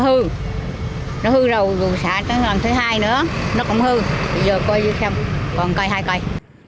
nó hư nó hư đầu rồi xả nó làm thứ hai nữa nó cũng hư bây giờ coi xem còn một cây hai cây